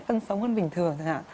phân sống hơn bình thường chẳng hạn